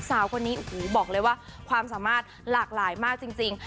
สาวคนนี้โอ้โหบอกเลยว่าความสามารถหลากหลายมากจริง